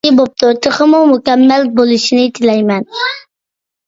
ياخشى بوپتۇ، تېخىمۇ مۇكەممەل بولۇشىنى تىلەيمەن!